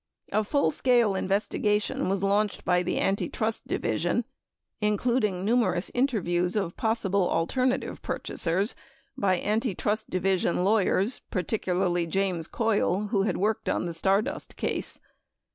A full scale investigation was launched by the Antitrust Division, including numerous interviews of possible alternative purchasers by Antitrust Division lawyers, particularly James Coyle, who had worked on the Stardust case.